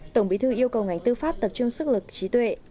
tổng bí thư yêu cầu ngành tư pháp tập trung sức lực trí tuệ